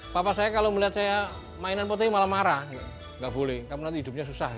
papa saya kalau melihat saya mainan potehi malah marah nggak boleh kamu nanti hidupnya susah